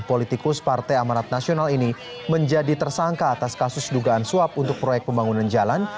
politikus partai amanat nasional ini menjadi tersangka atas kasus dugaan suap untuk proyek pembangunan jalan